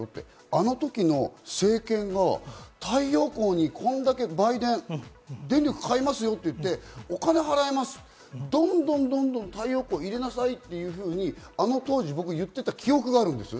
あの時の政権が太陽光にこんだけ毎年、電力買いますよって言って、お金払いますって、どんどん太陽光を入れなさいっていうふうに、あの当時、僕言ってた記憶があるんです。